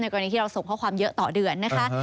กรณีที่เราส่งข้อความเยอะต่อเดือนนะคะ